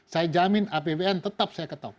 saya jamin apbn tetap saya ketok